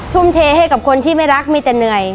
ทุ่มเทให้กับคนที่ไม่รักมีแต่เหนื่อย